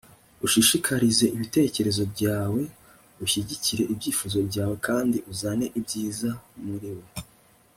ushishikarize ibitekerezo byawe, ushyigikire ibyifuzo byawe, kandi uzane ibyiza muriwe